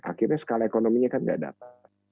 akhirnya skala ekonominya kan tidak dapat